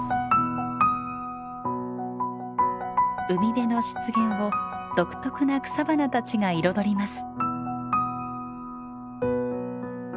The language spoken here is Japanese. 海辺の湿原を独特な草花たちが彩ります。